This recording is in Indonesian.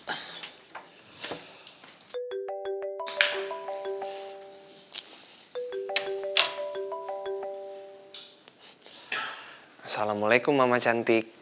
assalamualaikum mama cantik